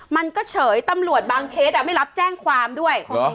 มันก็เฉยตำรวจบางเคสไม่รับแจ้งความด้วย